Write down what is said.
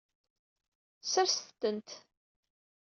Serset-tent.